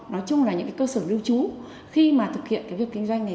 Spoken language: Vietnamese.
nói chung là những cơ sở lưu trú khi mà thực hiện việc kinh doanh này